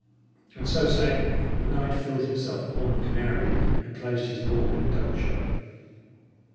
And so saying, the knight filled himself a horn of canary, and pledged his ward in dumb show.